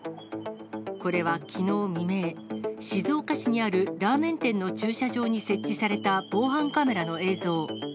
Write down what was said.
これはきのう未明、静岡市にあるラーメン店の駐車場に設置された防犯カメラの映像。